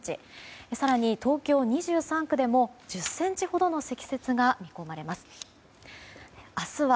更に東京２３区でも１０ｃｍほどの積雪が見込まれます。